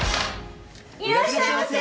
・いらっしゃいませ。